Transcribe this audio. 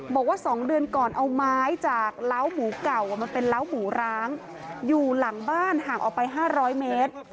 บอกว่า๒เดือนก่อนเอาไม้จากเล้าหมูเก่ามันเป็นเล้าหมูร้างอยู่หลังบ้านห่างออกไป๕๐๐เมตร